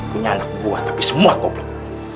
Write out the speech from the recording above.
punya anak buah tapi semua komplek